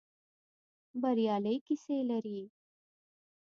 بریالۍ کيسې لري.